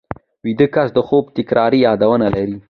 ویده کس د خوب تکراري یادونه لري